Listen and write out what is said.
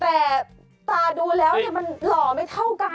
แต่ตาดูแล้วมันหล่อไม่เท่ากัน